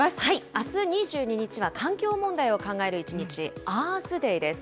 あす２２日は環境問題を考える一日、アースデイです。